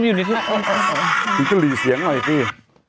อันนี้ก็หลีเสียงหน่อยพี่